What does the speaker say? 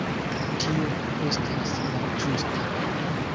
Tio estas malĝusta.